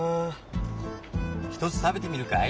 １つ食べてみるかい？